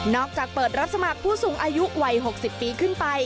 อกจากเปิดรับสมัครผู้สูงอายุวัย๖๐ปีขึ้นไป